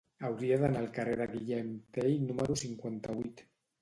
Hauria d'anar al carrer de Guillem Tell número cinquanta-vuit.